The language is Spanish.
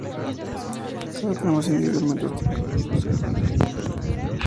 Cada trama es individualmente autónoma y autosuficiente ante el receptor.